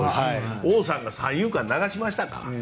王さんが三遊間に流しましたか？